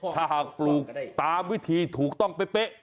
ถ้าหากปลูกตามวิธีถูกต้องเป๊ะ